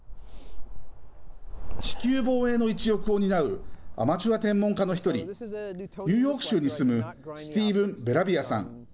地球防衛の一翼を担うアマチュア天文家の一人、ニューヨーク州に住むスティーブン・べラビアさん。